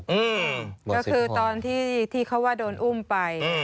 อืมก็คือตอนที่เขาว่าโดนอุ้มไป